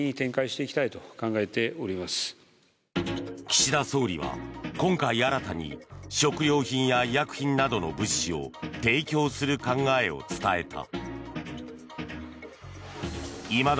岸田総理は今回、新たに食料品や医薬品などの物資を提供する考えを伝えた。